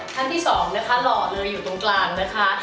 ท่านที่สองร่อยเลยอยู่ตรงกลางนะคะ